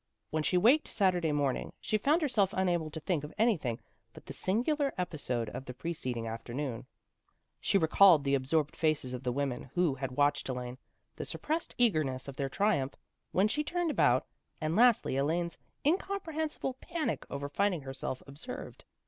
When she waked Saturday morning, she found her self unable to think of anything but the singular episode of the preceding afternoon. She re called the absorbed faces of the women who had watched Elaine, the suppressed eagerness of their triumph, when she turned about, and lastly Elaine's incomprehensible panic over finding herself observed.